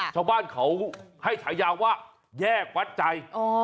ชาวบ้านเขาให้ฉายาว่าแยกวัดใจ